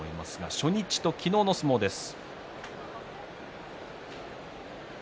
初日と昨日の相撲です。